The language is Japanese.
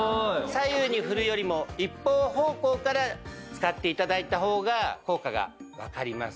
左右に振るよりも一方方向から使って頂いた方が効果がわかります。